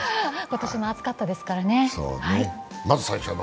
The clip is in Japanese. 今年も暑かったですからね。